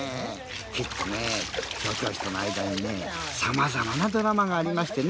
きっとね、調教師との間にね様々なドラマがありましてね